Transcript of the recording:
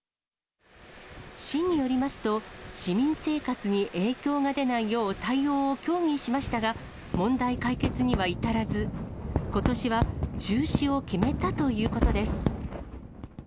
市によりますと、市民生活に影響が出ないよう対応を協議しましたが、問題解決には至らず、ことしは中止を決めたということです。